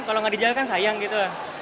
kalau gak dijagal kan sayang gitu lah